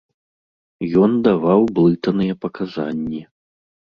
Ён даваў блытаныя паказанні.